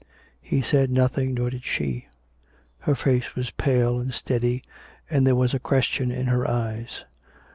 He said nothing, nor did she. Her face was pale and steady, and there was a question in her eyes.